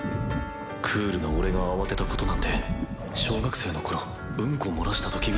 クールな俺が慌てたことなんて小学生のころうんこ漏らした時ぐらいのことだ。